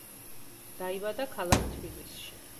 დაიბადა ქალაქ თბილისში.